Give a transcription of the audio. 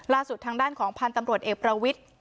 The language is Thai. ลาสุดทางด้านของพาร์มตำรวจเอประวิท